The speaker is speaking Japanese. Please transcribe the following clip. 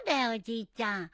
おじいちゃん。